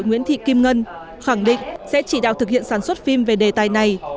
nguyễn thị kim ngân khẳng định sẽ chỉ đạo thực hiện sản xuất phim về đề tài này